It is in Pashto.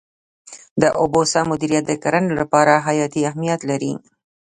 د اوبو سم مدیریت د کرنې لپاره حیاتي اهمیت لري.